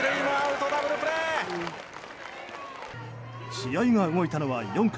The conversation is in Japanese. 試合が動いたのは４回。